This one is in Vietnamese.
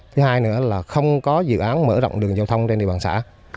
thứ hai nữa là không có dự án mở rộng đường giao thông trên địa bàn xã